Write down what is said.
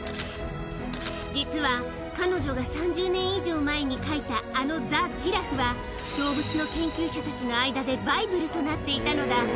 実は、彼女が３０年以上前に書いたあのザ・ジラフは、動物の研究者たちの間でバイブルとなっていたのだ。